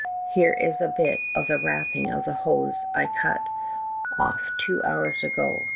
Here is a bit of the wrapping of the hose I cut off two hours ago.